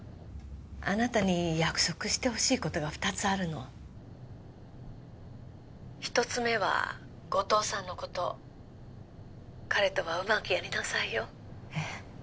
あなたに約束してほしいことが２つあるの☎１つ目は後藤さんのこと☎彼とはうまくやりなさいよえっ？